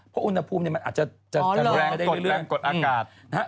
เพราะอุณหภูมิอัดจะเรางในเรื่องหลังกดอากาศ